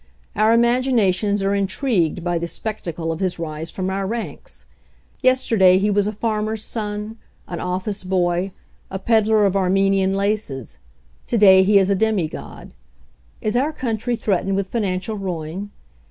Our imaginations are intrigued by the spec tacle of his rise from our ranks. Yesterday he was a farmer's son, an office boy, a peddler of Armenian laces. To day he is a demigofi Is our country threatened with financial ruin?